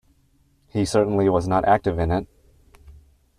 He certainly was not active in it.